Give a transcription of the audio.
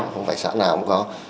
không phải xã nào cũng có